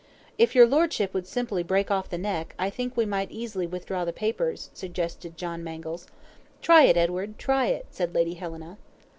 "If your Lordship would simply break off the neck, I think we might easily withdraw the papers," suggested John Mangles. "Try it, Edward, try it," said Lady Helena.